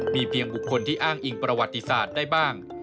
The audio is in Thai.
มีเพียงบุคคลที่อ้างอิงประวัติศาสตร์ได้บ้าง